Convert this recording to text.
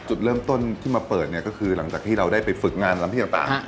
จุดเริ่มต้นที่มาเปิดเนี่ยก็คือหลังจากที่เราได้ไปฝึกงานลำที่ต่าง